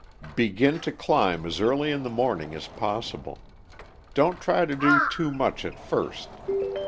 ] Begin to climb as early in the morning as possible. Don't try to do too much at first.